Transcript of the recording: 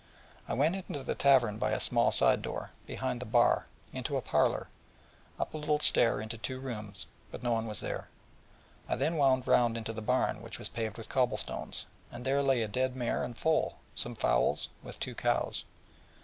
I went into the tavern by a small side door behind the bar into a parlour up a little stair into two rooms: but no one was there. I then went round into the barn, which was paved with cobble stones, and there lay a dead mare and foal, some fowls, with two cows.